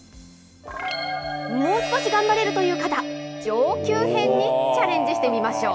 もう少し頑張れるという方、上級編にチャレンジしてみましょう。